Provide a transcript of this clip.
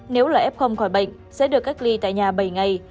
nếu là ép không khỏi bệnh sẽ được cách ly tại nhà bảy ngày